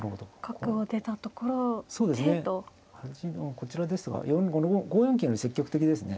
こちらですが５四金より積極的ですね。